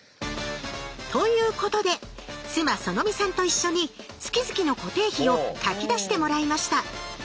ということで妻苑未さんと一緒に月々の固定費を書き出してもらいました。